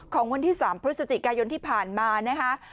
ของวันที่๓พฤศจิกายนที่ผ่านมานะคะ